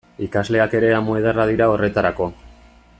Ikasleak ere amu ederra dira horretarako.